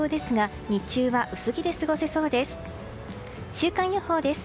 週間予報です。